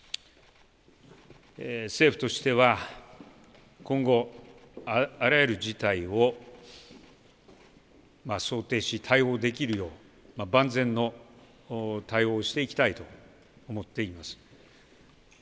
政府としては、今後あらゆる事態を想定し、対応できるよう万全の対応をしていきたいと思っています。